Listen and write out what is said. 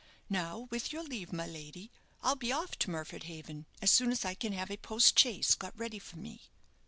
Now, with your leave, my lady, I'll be off to Murford Haven as soon as I can have a post chaise got ready for me."